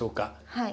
はい。